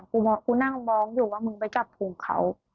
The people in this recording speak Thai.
กูนั่งมองอยู่ว่ามึงไปจับภูมิเขา